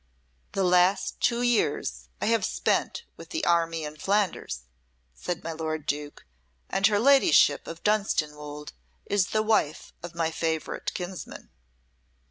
"The last two years I have spent with the army in Flanders," said my lord Duke, "and her Ladyship of Dunstanwolde is the wife of my favourite kinsman."